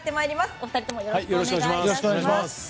お二人ともよろしくお願いいたします。